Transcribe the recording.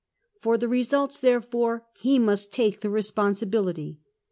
For the results, therefore, he must take the responsibility.